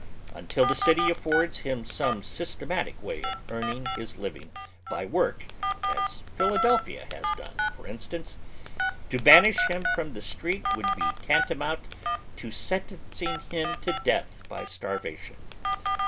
Unti! the citj affords him some systeniatic way of earning his living by work (as Philadelphia has done, for instance) to banish him from the street would be tantamount to sentencing him to death by starvation.